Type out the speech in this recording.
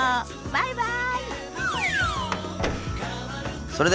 バイバイ。